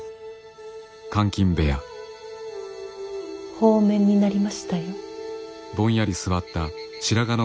放免になりましたよ。